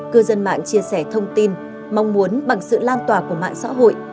cư dân mạng chia sẻ thông tin mong muốn bằng sự lan tỏa của mạng xã hội